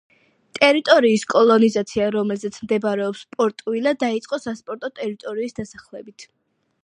ტერიტორიის კოლონიზაცია, რომელზეც მდებარეობს პორტ-ვილა, დაიწყო საპორტო ტერიტორიის დასახლებით.